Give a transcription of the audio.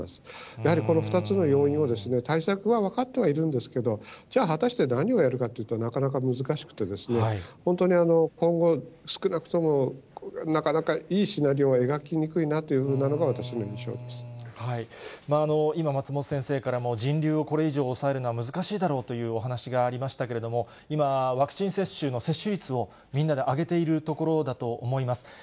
やはりこの２つの要因を対策は分かってはいるんですけれども、じゃあ、果たして何をやるかというと、なかなか難しくてですね、本当に今後、少なくともなかなかいいシナリオは描きにくいなというふうなのが今、松本先生からも、人流をこれ以上抑えるのは、難しいだろうというお話がありましたけれども、今、ワクチン接種の接種率をみんなで上げているところだと思います。